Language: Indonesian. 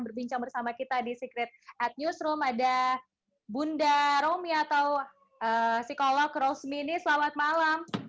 berbincang bersama kita di secret at newsroom ada bunda romi atau psikolog rosmini selamat malam